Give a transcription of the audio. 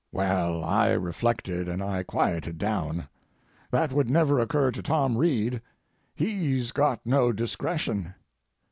Well, I reflected and I quieted down. That would never occur to Tom Reed. He's got no discretion.